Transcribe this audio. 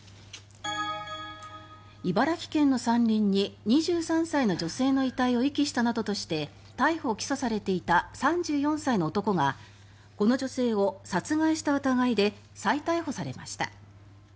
茨城県の山林に２３歳の女性の遺体を遺棄したなどとして逮捕・起訴されていた３４歳の男がこの女性を殺害した疑いで再逮捕されました。